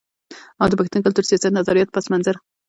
او د پښتون کلتور، سياست، نظرياتي پس منظر